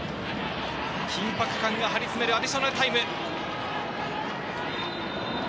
緊迫感が張り詰めるアディショナルタイム。